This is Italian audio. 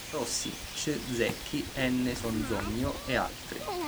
Rossi, C. Zecchi, N. Sonzogno e altri.